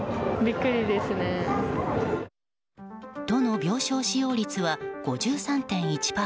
都の病床使用率は５３．１％。